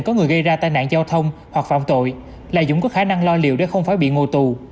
có người gây ra tai nạn giao thông hoặc phạm tội là dũng có khả năng lo liệu để không phải bị ngộ tù